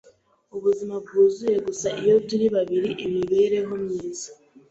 Ubuzima bwuzuye gusa iyo turi babiri Imibereho myiza.